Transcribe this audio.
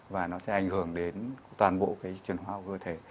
và nó sẽ ảnh hưởng đến toàn bộ cái truyền hóa của cơ thể